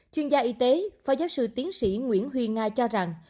chuyên gia y tế phó giáo sư tiến sĩ nguyễn huy nga cho rằng